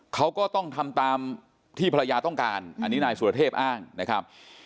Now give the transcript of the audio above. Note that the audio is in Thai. เขาก็ต้องทำตามที่ภรรยาต้องการอันนี้นายสุรเทพอ้างนะครับ